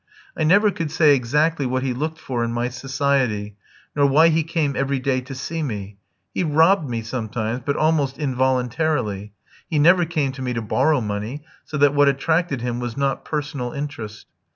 I never could say exactly what he looked for in my society, nor why he came every day to see me. He robbed me sometimes, but almost involuntarily. He never came to me to borrow money; so that what attracted him was not personal interest.